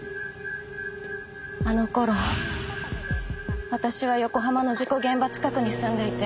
あの頃私は横浜の事故現場近くに住んでいて。